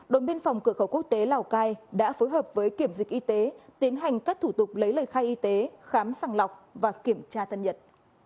đồn biên phòng cửa khẩu quốc tế lào cai đã phối hợp với kiểm dịch y tế tiến hành các thủ tục lấy lời khai y tế khám sàng lọc và kiểm tra thân nhật